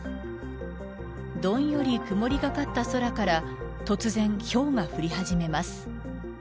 どんより曇りがかった空から突然、ひょうが降り始めます。